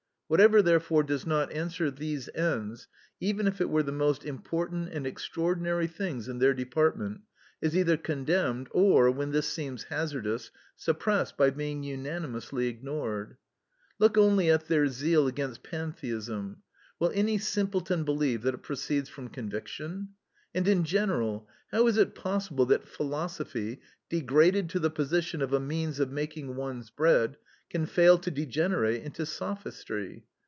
Whatever, therefore, does not answer these ends, even if it were the most important and extraordinary things in their department, is either condemned, or, when this seems hazardous, suppressed by being unanimously ignored. Look only at their zeal against pantheism; will any simpleton believe that it proceeds from conviction? And, in general, how is it possible that philosophy, degraded to the position of a means of making one's bread, can fail to degenerate into sophistry?